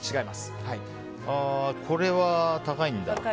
これは高いんだ。